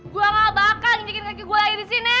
gue mau bakal nginjekin kaki gue lagi di sini